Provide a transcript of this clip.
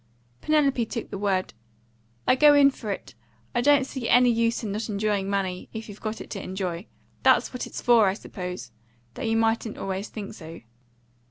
Penelope took the word. "I go in for it. I don't see any use in not enjoying money, if you've got it to enjoy. That's what it's for, I suppose; though you mightn't always think so."